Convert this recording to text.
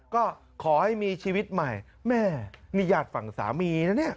ก็ขอให้มีชีวิตใหม่แม่นี่ญาติฝั่งสามีนะเนี่ย